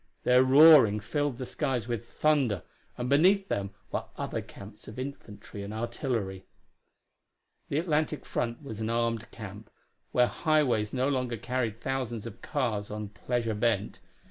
Their roaring filled the skies with thunder, and beneath them were other camps of infantry and artillery. The Atlantic front was an armed camp, where highways no longer carried thousands of cars on pleasure bent.